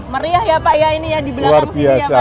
meriah ya pak ya ini ya di belakang sini ya pak